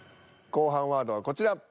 後半ワードはこちら。